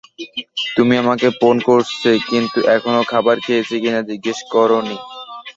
তুমি আমাকে ফোন করেছ কিন্তু এখনো খাবার খেয়েছি কিনা জিজ্ঞেস করোনি?